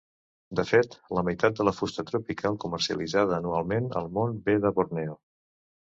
De fet, la meitat de la fusta tropical comercialitzada anualment al món ve de Borneo.